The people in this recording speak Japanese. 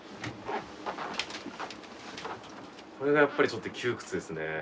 これがやっぱりちょっと窮屈ですね。